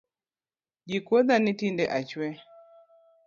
Ji kuodha ni tinde achue.